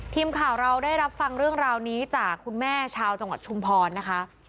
ทีมข่าวเราได้รับฟังเรื่องราวนี้จากคุณแม่ชาวจังหวัดชุมพรนะคะ